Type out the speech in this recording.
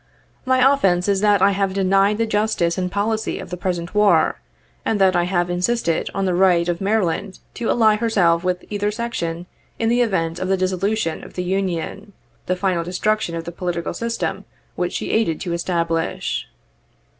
My offence is that I have denied the justice and policy of the present war, and that I have insisted on the right of Maryland to ally herself with either section in the event of the dissolution of the Union — the final destruction of the political system which she aided to establish.